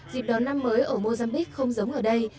dịp đón năm mới ở mozambique không giống ở đây